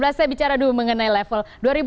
saya bicara dulu mengenai level dua